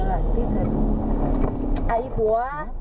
อ่ะอีหัว